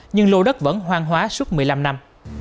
nhưng lô đất vẫn hoang hóa suốt một mươi năm năm